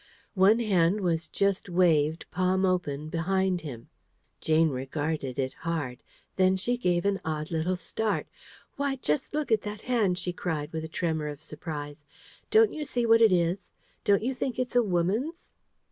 One hand was just waved, palm open, behind him. Jane regarded it hard. Then she gave an odd little start: "Why, just look at that hand!" she cried, with a tremor of surprise. "Don't you see what it is? Don't you think it's a woman's?"